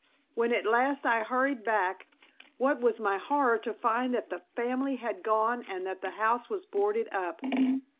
When at last I hurried back, what was my horror to find that the family had gone and that the house was boarded up.